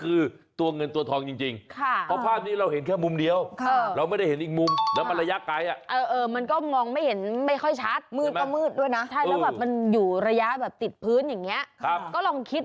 ซึ่งไม่แน่มันอาจจะกว่าเป็นสัตว์หลายทางบางอย่างเช่นตัวเงินหากร้อง